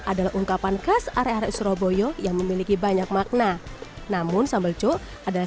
adalah ungkapan khas area area surabaya yang memiliki banyak makna namun sambal cuk adalah